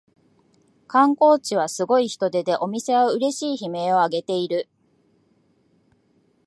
観光地はすごい人出でお店はうれしい悲鳴をあげている